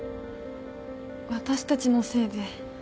私たちのせいで。